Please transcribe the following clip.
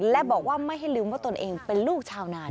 และบอกว่าไม่ให้ลืมว่าตนเองเป็นลูกชาวนาน